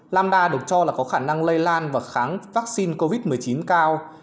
lamda được cho là có khả năng lây lan và kháng vaccine covid một mươi chín cao